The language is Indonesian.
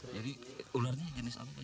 jadi ularnya jenis apa